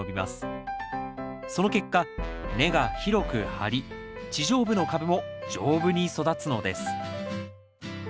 その結果根が広く張り地上部の株も丈夫に育つのです。